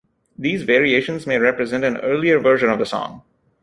These variations may represent an earlier version of the song.